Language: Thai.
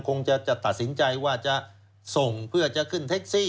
คงจะตัดสินใจว่าจะส่งเพื่อจะขึ้นแท็กซี่